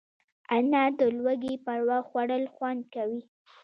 انار د لوږې پر وخت خوړل خوند کوي.